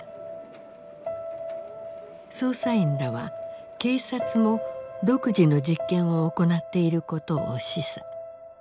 捜査員らは警察も独自の実験を行っていることを示唆。